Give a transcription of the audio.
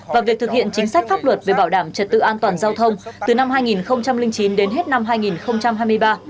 và việc thực hiện chính sách pháp luật về bảo đảm trật tự an toàn giao thông từ năm hai nghìn chín đến hết năm hai nghìn hai mươi ba